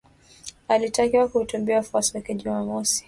Alitakiwa kuhutubia wafuasi wake Jumamosi.